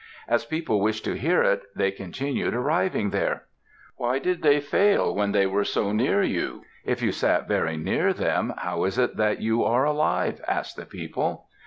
As people wished to hear it, they continued arriving there. "Why did they fail, when they were so near you? If you sat very near them, how is it that you are alive?" asked the people.